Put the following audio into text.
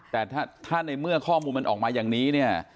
แต่ถ้าในเมื่อข้อมูลมันออกมาอย่างนี้เนี่ย